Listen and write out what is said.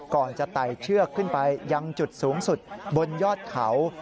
ก่อนจะไต่เชือกขึ้นไปยังจุดสูงสุดบนยอดเขา